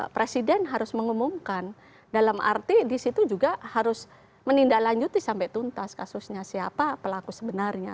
presiden harus mengumumkan dalam arti disitu juga harus menindaklanjuti sampai tuntas kasusnya siapa pelaku sebenarnya